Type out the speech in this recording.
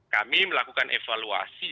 kami melakukan evaluasi